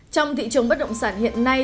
trong thị trường bất động sản hiện nay